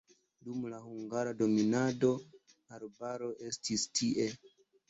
Dum la hungara dominado arbaro estis tie.